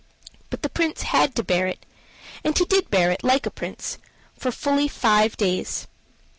But the Prince had to bear it and he did bear it, like a prince for fully five days.